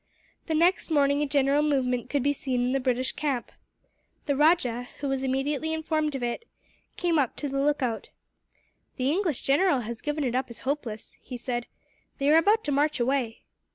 The next morning a general movement could be seen in the British camp. The rajah, who was immediately informed of it, came up to the lookout. "The English general has given it up as hopeless," he said. "They are about to march away."